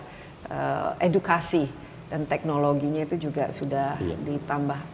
dan juga edukasi dan teknologinya itu juga sudah ditambah